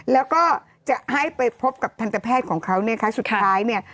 แล้วก็จะให้ไปพบกับทันตแพทย์ของเขานะคะสุดท้ายเนี่ย